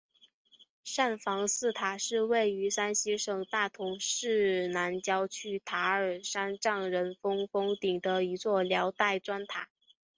禅房寺塔是位于山西省大同市南郊区塔儿山丈人峰峰顶的一座辽代砖塔。